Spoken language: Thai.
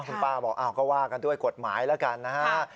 คุณป้าบอกก็ว่ากันด้วยกฎหมายแล้วกันนะฮะ